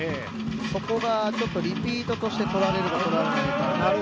そこがリピートとしてとられるか、とられないか。